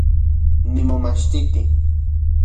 Nimomachtiti